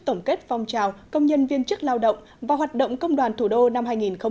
tổng kết phong trào công nhân viên chức lao động và hoạt động công đoàn thủ đô năm hai nghìn hai mươi